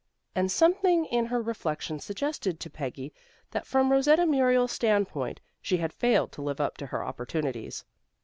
And something in her inflection suggested even to Peggy that from Rosetta Muriel's standpoint, she had failed to live up to her opportunities.